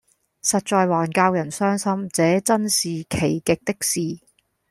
實在還教人傷心，這眞是奇極的事！